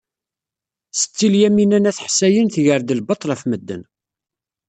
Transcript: Setti Lyamina n At Ḥsayen tger-d lbaṭel ɣef medden.